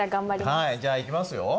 はいじゃあいきますよ。